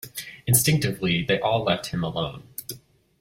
Instinctively, they all left him alone.